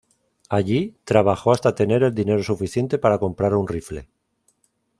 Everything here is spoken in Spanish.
Allí, trabajó hasta tener el dinero suficiente para comprar un rifle.